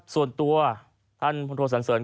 ส่วนตัวคุณผลโศกประเภท